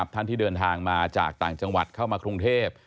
ท่านที่เดินทางมาจากต่างจังหวัดเข้ามากรุงเทพ